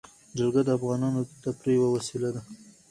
جلګه د افغانانو د تفریح یوه وسیله ده.